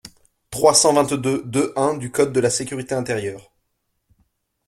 trois cent vingt-deux-deux-un du code de la sécurité intérieure ».